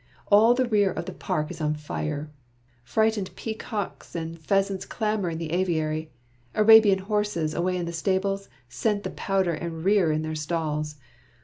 All the rear of the park is on fire. Frightened pea cocks and pheasants clamor in the aviary, Arabian horses, away in the stables, scent the powder and rear in their stalls.